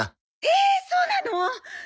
ええっそうなの！？